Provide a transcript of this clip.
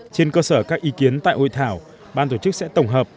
trên cơ sở các ý kiến tại hội thảo ban tổ chức sẽ tổng hợp